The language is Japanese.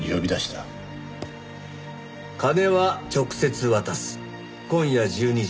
「金は直接渡す」「今夜１２時。